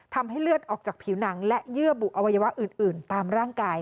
ทำให้เลือดออกจากผิวหนังและเยื่อบุอวัยวะอื่นตามร่างกาย